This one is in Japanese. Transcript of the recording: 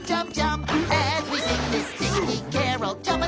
ん？